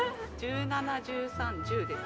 １７１３１０です。